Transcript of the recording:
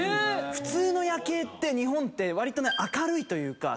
普通の夜景って日本って明るいというか。